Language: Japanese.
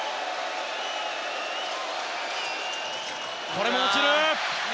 これも落ちる。